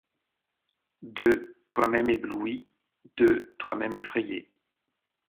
De. toi-même ébloui, de toi-même effrayé